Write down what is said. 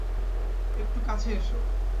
একটু কাছে এসো।